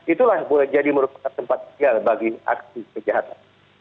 itulah boleh jadi merupakan tempat tinggal bagi aksi kejahatan